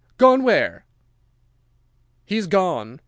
Gone where?" "'"He is gone.